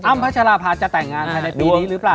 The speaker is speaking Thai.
อ้ำพระชาราภาษณ์จะแต่งงานในปีนี้หรือเปล่า